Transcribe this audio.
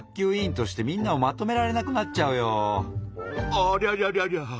ありゃりゃりゃりゃ。